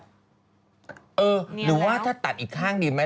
เนียวแล้วหรือว่าถ้าตัดอีกข้างดีไหม